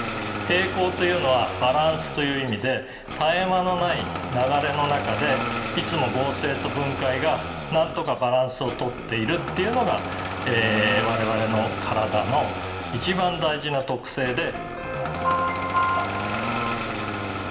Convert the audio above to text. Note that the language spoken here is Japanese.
「平衡」というのはバランスという意味で絶え間のない流れの中でいつも合成と分解が何とかバランスをとっているというのが我々の体の一番大事な特性で。